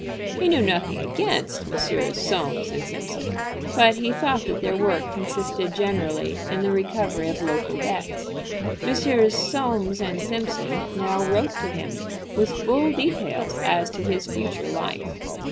He knew nothing against Messrs. Soames & Simpson, but he thought that their work consisted generally in the recovery of local debts. Messrs. Soames & Simpson now wrote to him with full details as to his future life.